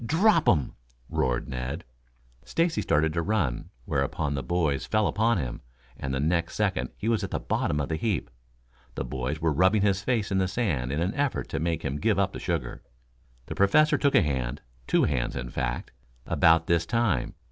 "Drop 'em!" roared Ned. Stacy started to run, whereupon the boys fell upon him, and the next second he was at the bottom of the heap. The boys were rubbing his face in the sand in an effort to make him give up the sugar. The Professor took a hand two hands in fact about this time.